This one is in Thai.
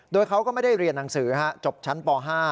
โดยเขาก็ไม่ได้เรียนหนังสือจบชั้นป๕